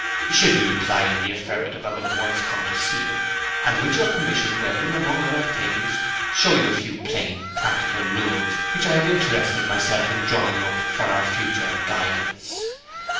'Should you reply in the affirmative I will at once come to see you, and with your permission will, among other things, show you a few plain, practical rules which I have interested myself in drawing up for our future guidance.